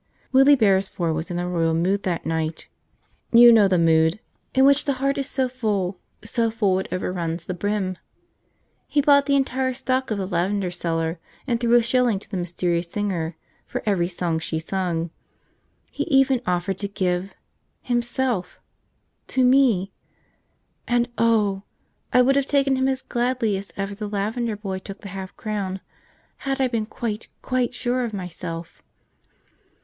Willie Beresford was in a royal mood that night. You know the mood, in which the heart is so full, so full, it overruns the brim. He bought the entire stock of the lavender seller, and threw a shilling to the mysterious singer for every song she sung. He even offered to give himself to me! And oh! I would have taken him as gladly as ever the lavender boy took the half crown, had I been quite, quite sure of myself!